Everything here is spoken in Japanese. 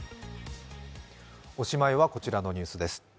おしまいは、こちらのニュースです。